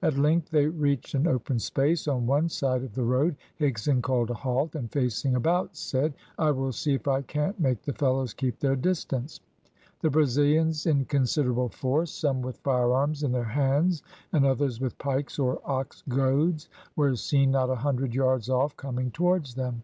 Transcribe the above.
At length they reached an open space on one side of the road. Higson called a halt, and facing about said "I will see if I can't make the fellows keep their distance." The Brazilians in considerable force, some with firearms in their hands and others with pikes or ox goads, were seen not a hundred yards off, coming towards them.